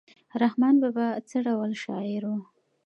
رحمان بابا څه ډول شاعر و؟